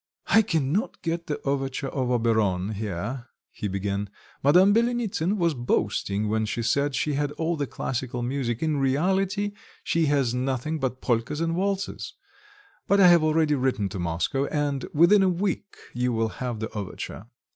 "I cannot get the overture of Oberon here," he began. "Madame Byelenitsin was boasting when she said she had all the classical music: in reality she has nothing but polkas and waltzes, but I have already written to Moscow, and within a week you will have the overture.